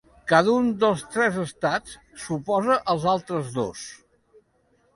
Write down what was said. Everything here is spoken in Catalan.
Cada un dels tres estats s'oposa als altres dos.